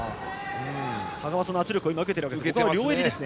羽賀はその圧力を受けているわけですね。